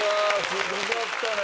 すごかったね。